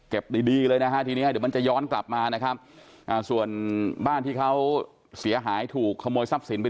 ดีเลยนะฮะทีนี้เดี๋ยวมันจะย้อนกลับมานะครับส่วนบ้านที่เขาเสียหายถูกขโมยทรัพย์สินไป